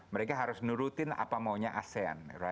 mereka harus nurutin apa maunya asean